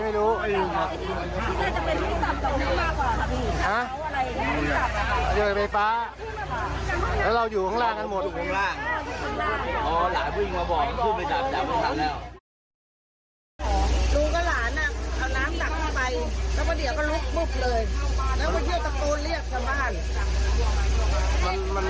แล้วก็เที่ยวตะโกนเรียกกลับบ้าน